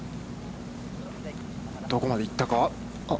どこまで行ったか。